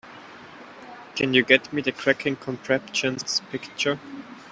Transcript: Can you get me the Cracking Contraptions picture?